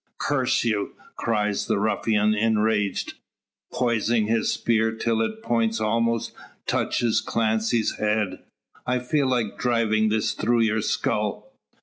"Curse you!" cries the ruffian enraged, poising his spear till its point almost touches Clancy's head, "I feel like driving this through your skull."